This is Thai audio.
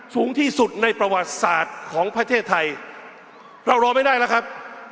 สูงที่สุดในประวัติศาสตร์ของประเทศไทยเรารอไม่ได้แล้วครับ